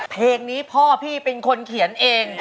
เพลงนี้พ่อพี่เป็นคนเขียนเอง